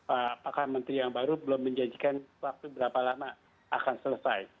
apakah menteri yang baru belum menjanjikan waktu berapa lama akan selesai